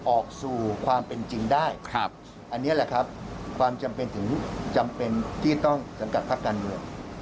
ออกสู่ความเป็นจริงได้อันนี้แหละครับความจำเป็นถึงจำเป็นที่ต้องสังกัดพักการเมือง